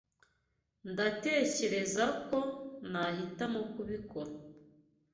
Ndatekereza ko nahitamo kutabikora.